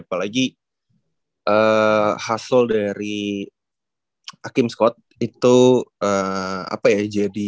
apalagi hasil dari aqib scott itu apa ya